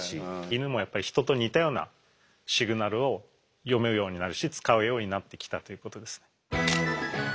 イヌもやっぱりヒトと似たようなシグナルを読めるようになるし使うようになってきたということですね。